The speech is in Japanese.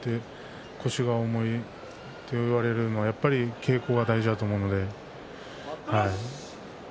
腰が重いと言われるのは稽古が大事だと思うので。